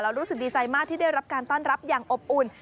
รู้สึกดีใจมากที่ได้รับการต้อนรับอย่างอบอุ่น